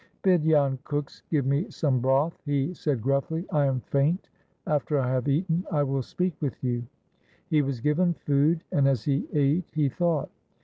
"Bid yon cooks give me some broth," he said gruffly. "I am faint. After I have eaten, I will speak with you." He was given food, and as he ate he thought.